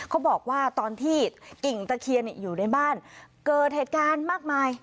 เขาบอกว่าตอนที่กิ่งตะเคียนอยู่ในบ้านเกิดเหตุการณ์มากมาย